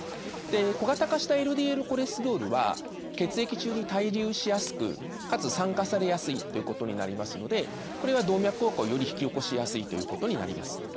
で小型化したＬＤＬコレステロールは血液中に滞留しやすくかつ酸化されやすいということになりますのでこれは動脈硬化をより引き起こしやすいということになります。